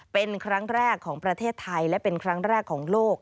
เป็นครั้งแรกของประเทศไทยและเป็นครั้งแรกของโลก